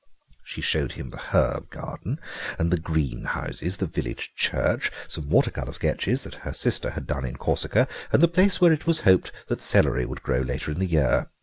She showed him the herb garden and the greenhouses, the village church, some water colour sketches that her sister had done in Corsica, and the place where it was hoped that celery would grow later in the year.